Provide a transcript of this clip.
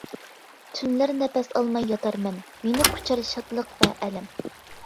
تۈنلەر نەپەس ئالماي ياتارمەن، مېنى قۇچار شادلىق ۋە ئەلەم.